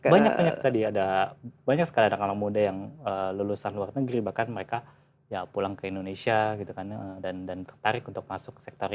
banyak banyak tadi ada banyak sekali anak anak muda yang lulusan luar negeri bahkan mereka ya pulang ke indonesia gitu kan dan tertarik untuk masuk sektor